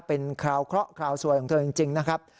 เป็นคราวเคราะห์คราวสวยของเธอจริงนะครับ